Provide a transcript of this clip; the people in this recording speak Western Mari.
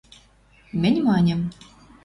Мӹнь маньым: